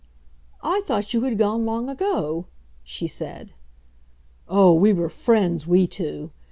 "I thought you had gone long ago," she said. Oh, we were friends, we two!